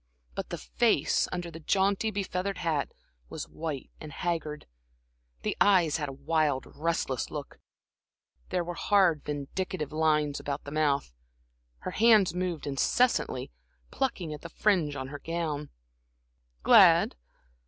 But the face, under the jaunty, be feathered hat, was white and haggard, the eyes had a wild restless look, there were hard, vindictive lines about the mouth. Her hands moved incessantly, plucking at the fringe on her gown. "Glad?